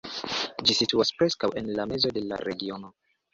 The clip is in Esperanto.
Ĝi situas preskaŭ en la mezo de la regiono.